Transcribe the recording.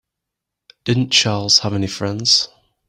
Didn't Charles have any friends?